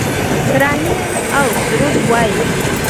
ترانې اوسرود وایې